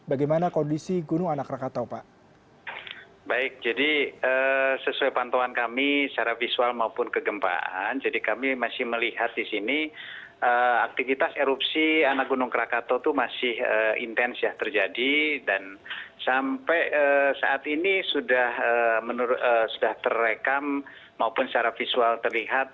anak gunung rakatau itu masih intens ya terjadi dan sampai saat ini sudah terrekam maupun secara visual terlihat